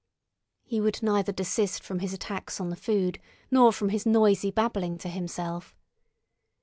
He would neither desist from his attacks on the food nor from his noisy babbling to himself.